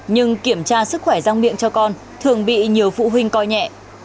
nhưng kiểm tra sức khỏe răng miệng cho con thường bị nhiều phụ huynh coi nhẹ